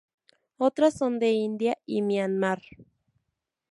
Otras son de India y Myanmar.